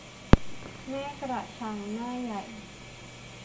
แม่กระชังหน้าใหญ่